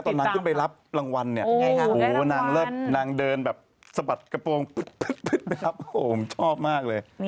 ตอนนั้นก็ไปรับรางวัลนางเดินสะบัดกระโปรงไปรับโอ้โฮชอบมากเลย